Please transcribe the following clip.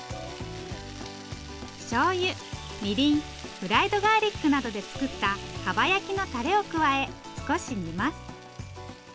しょうゆみりんフライドガーリックなどで作ったかば焼きのタレを加え少し煮ます。